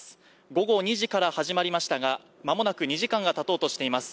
午後２時から始まりましたが間もなく２時間がたとうとしています。